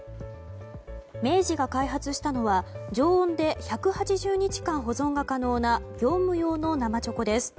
明治が開発したのは常温で１８０日間保存が可能な業務用の生チョコです。